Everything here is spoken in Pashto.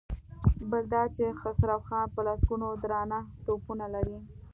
بل دا چې خسرو خان په لسګونو درانه توپونه لري.